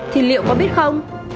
thì liệu có biết không